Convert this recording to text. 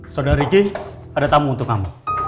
saudara riki ada tamu untuk kamu